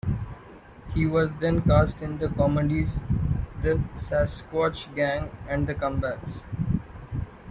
He was then cast in the comedies "The Sasquatch Gang" and "The Comebacks".